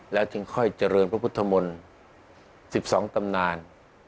และจึงค่อยเจริญพระพุทธมนต์๑๒ตำนาน